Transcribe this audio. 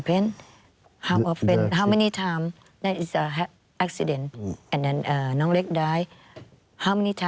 เพราะว่าไม่มีใครมา